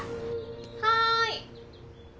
はい。